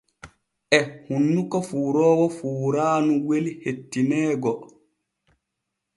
E hunnuko fuuroowo fuuraanu weli hettineego.